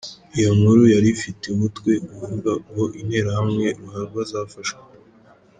Iyo nkuru yari ifite umutwe uvuga ngo Interahamwe ruharwa zafashwe.